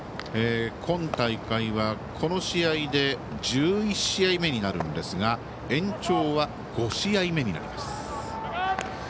今大会はこの試合で１１試合目になるんですが延長は５試合目になります。